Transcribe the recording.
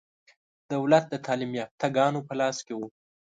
دولت د تعلیم یافته ګانو په لاس کې و.